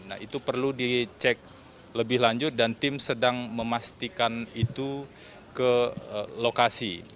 nah itu perlu dicek lebih lanjut dan tim sedang memastikan itu ke lokasi